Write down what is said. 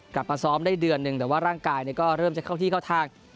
กลับมาซ้อมได้เดือนหนึ่งแต่ว่าร่างกายก็เริ่มจะเข้าที่เข้าทาง